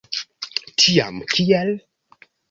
Tiam kiel?